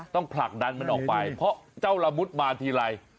ผลักดันมันออกไปเพราะเจ้าละมุดมาทีไร